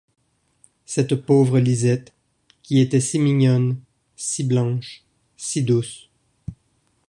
Cette pauvre Louisette, qui était si mignonne, si blanche, si douce!